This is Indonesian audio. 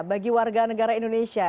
bagi warga negara indonesia